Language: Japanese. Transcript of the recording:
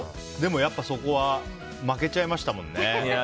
でも、そこは負けちゃいましたもんね。